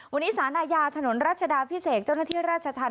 วันนี้สารอาญาถนนรัชดาพิเศษเจ้าหน้าที่ราชธรรม